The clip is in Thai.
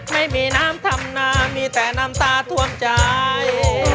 ไม่มีน้ำทำนามีแต่น้ำตาท่วมใจ